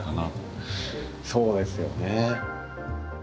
そうですよね。